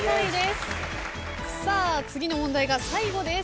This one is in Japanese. さあ次の問題が最後です。